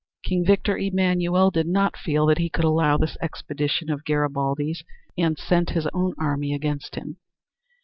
King Victor Emmanuel did not feel that he could allow this expedition of Garibaldi's, and sent his own army against him.